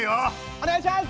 お願いします！